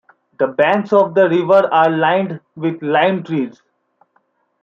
The banks of the river are lined with lime trees.